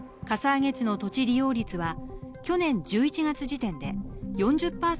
かさ上げ地の土地利用率は、去年１１月時点で４０％